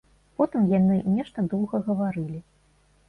Потым яны нешта доўга гаварылі.